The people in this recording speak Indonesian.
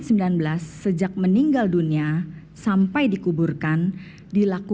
bagaimana kita memilih para penafs orang kecil dan orang besar kecil yang ber typingkan lalu